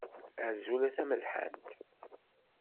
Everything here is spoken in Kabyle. Azul a tamelḥant.